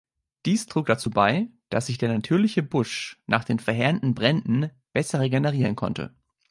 Dies trug dazu bei, dass sich der natürliche Busch nach den verheerenden Bränden besser regenerieren konnte.